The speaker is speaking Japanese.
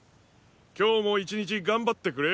今日も一日頑張ってくれ！